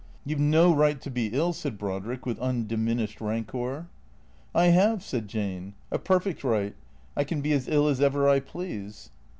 " You 've no right to be ill," said Brodrick, with undiminished rancour. " I have," said Jane. " A perfect right. I can be as ill as ever I please."